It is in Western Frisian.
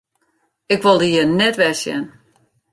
Ik wol dy hjir net wer sjen!